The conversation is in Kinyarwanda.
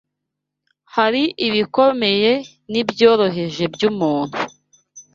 Hari ibikomeye n’ibyoroheje by’umuntu